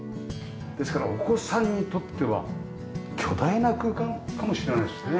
ですからお子さんにとっては巨大な空間かもしれないですね。